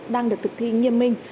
đang được thực thi nghiêm minh